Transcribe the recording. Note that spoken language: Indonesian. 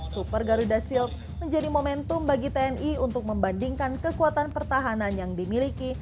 super garuda shield menjadi momentum bagi tni untuk membandingkan kekuatan pertahanan yang dimiliki